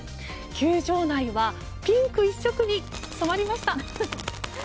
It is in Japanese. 球場内はピンク一色に染まりました！